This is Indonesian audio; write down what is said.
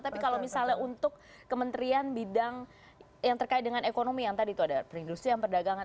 tapi kalau misalnya untuk kementerian bidang yang terkait dengan ekonomi yang tadi itu ada perindustrian perdagangan